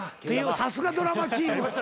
さすがドラマチーム。